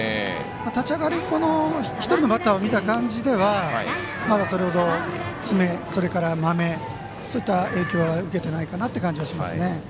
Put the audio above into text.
立ち上がり、この１人のバッターを見た感じではまだそれほど爪それから、まめそういった影響は受けていないかなという感じがしますね。